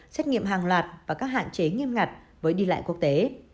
xét nghiệm hàng loạt và các hạn chế nghiêm ngặt với đi lại quốc tế